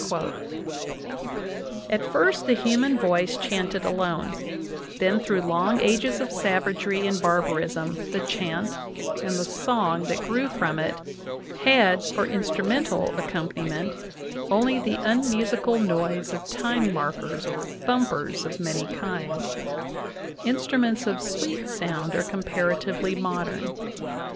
At first the human voice chanted alone; then through long ages of savagery and barbarism the chant and the song that grew from it had, for instrumental accompaniment, only the unmusical noise of time markers or "thumpers" of many kinds : instruments of sweet sound are comparatively modern.